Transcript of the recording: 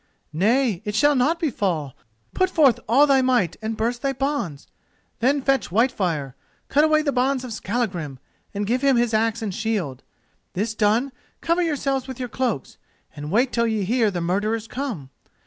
"Nay, it shall not befall. Put forth all thy might and burst thy bonds. Then fetch Whitefire; cut away the bonds of Skallagrim, and give him his axe and shield. This done, cover yourselves with your cloaks, and wait till ye hear the murderers come.